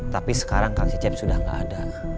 tapi sekarang kang cecep sudah gak ada